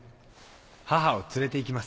母を連れて行きます。